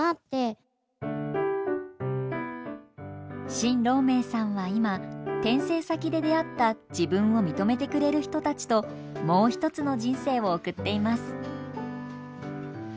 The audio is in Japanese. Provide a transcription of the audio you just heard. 清楼銘さんは今転生先で出会った自分を認めてくれる人たちともう一つの人生を送っています。